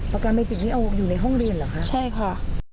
ประกันไปถึงนี่เอาอยู่ในห้องเรียนเหรอคะใช่ค่ะ